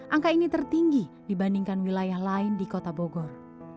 namun kawasan ini juga tertinggi dibandingkan wilayah lain di kota bogor